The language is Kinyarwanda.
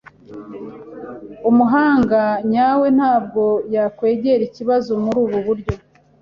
Umuhanga nyawe ntabwo yakwegera ikibazo muri ubu buryo.